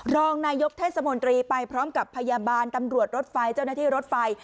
รองนายกเทศมนตรีไปพร้อมกับพยาบาลตำรวจรถไฟเจ้าหน้าที่รถไฟ